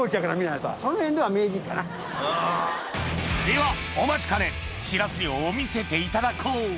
ではお待ちかねしらす漁を見せていただこう